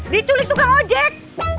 diculik tukang ojek